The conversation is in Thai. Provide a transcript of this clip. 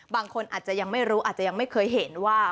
บางคนอาจจะยังไม่รู้อาจจะยังไม่เคยเห็นว่า